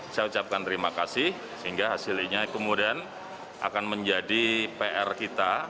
saya ucapkan terima kasih sehingga hasilnya kemudian akan menjadi pr kita